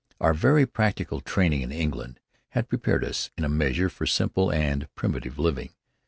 Our very practical training in England had prepared us, in a measure, for simple and primitive living.